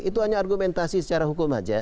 itu hanya argumentasi secara hukum saja